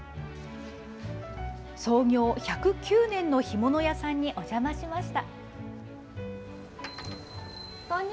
創業１０９年の干物屋さんにお邪魔しました。